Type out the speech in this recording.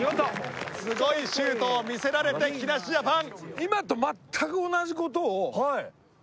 すごいシュートを見せられて木梨ジャパン！